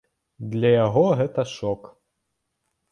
Для яго гэта шок.